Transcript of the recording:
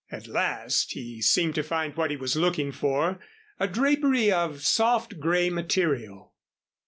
At last he seemed to find what he was looking for a drapery of soft gray material.